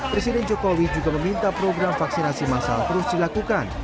presiden jokowi juga meminta program vaksinasi masal terus dilakukan